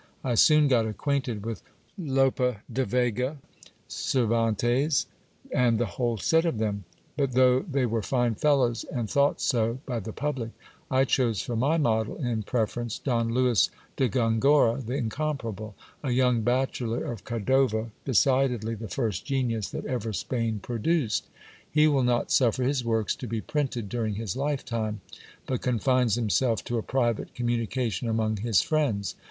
I soon got acquainted with Lope de Vega, Cervantes, and the whole set of them ; but though they were fine fellows, and thought so by the public, I chose for my model in preference, Don Lewis de Gongora, the in comparable, a young bachelor of Cordova, decidedly the first genius that ever Spain produced. He will not suffer his works to be printed during his life time ; but confines himself to a private communication among his friends.